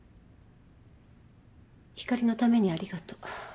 ひかりのためにありがとう。